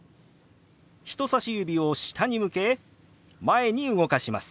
人さし指を下に向け前に動かします。